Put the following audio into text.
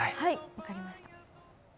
分かりました。